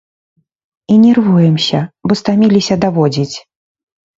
І нервуемся, бо стаміліся даводзіць!